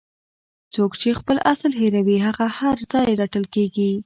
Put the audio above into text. څوک چې خپل اصل هیروي هغه هر ځای رټل کیږي.